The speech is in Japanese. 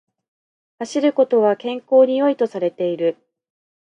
走ることは健康に良いとされている